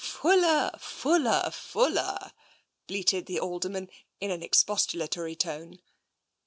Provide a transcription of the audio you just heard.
"Fuller, Fuller, Fuller!" bleated the Alderman, in an expostulatory tone.